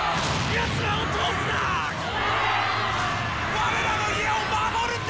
我らの家を守るんだ！